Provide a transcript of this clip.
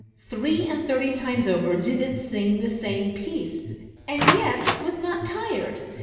Three and thirty times over did it sing the same piece, and yet was not tired.